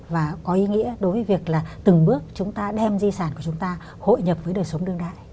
và có ý nghĩa đối với việc là từng bước chúng ta đem di sản của chúng ta hội nhập với đời sống đương đại